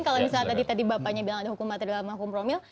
kalau misalnya tadi bapaknya bilang ada hukum material hukum promil